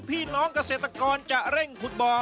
พี่น้องเกษตรกรจะเร่งขุดบ่อ